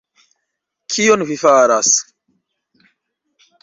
Kion vi faras!..